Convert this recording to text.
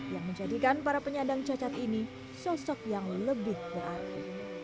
yang menjadikan para penyandang cacat ini sosok yang lebih berarti